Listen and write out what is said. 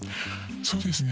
そうですね。